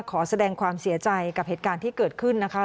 ขอแสดงความเสียใจกับเหตุการณ์ที่เกิดขึ้นนะคะ